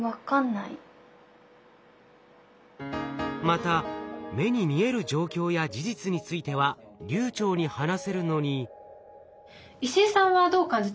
また目に見える状況や事実については流暢に話せるのに。